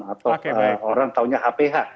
atau orang taunya hph